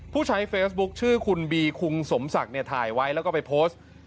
ผู้ใช้เฟซบุ๊คชื่อคุณบีคุงสมศักดิ์เนี่ยถ่ายไว้แล้วก็ไปโพสต์